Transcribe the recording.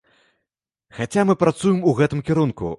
Хаця мы працуем у гэтым кірунку.